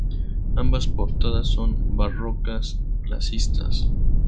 Ambas portadas son barrocas clasicistas.